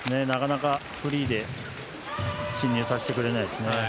なかなかフリーで進入させてくれないですね。